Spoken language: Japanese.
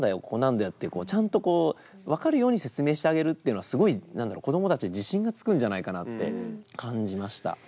ここなんだよってちゃんとこう分かるように説明してあげるっていうのはすごい子どもたちに自信がつくんじゃないかなって感じました。